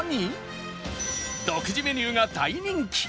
独自メニューが大人気！